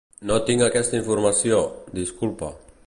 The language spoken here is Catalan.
No tinc aquesta informació, disculpa.